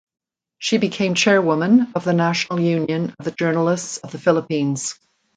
She became Chairwoman of the National Union of the Journalists of the Philippines.